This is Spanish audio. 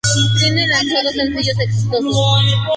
Trine lanzó dos sencillos exitosos.